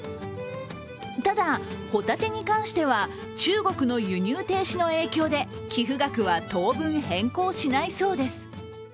ただ、ほたてに関しては中国の輸入停止の影響で寄付額は当分変更しないそうです。